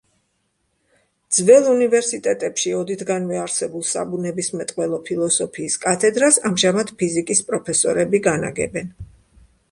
ძველ უნივერსიტეტებში ოდითგანვე არსებულ საბუნებისმეტყველო ფილოსოფიის კათედრას ამჟამად ფიზიკის პროფესორები განაგებენ.